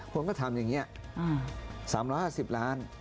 คนก็ทำอย่างนี้๓๕๐ล้าน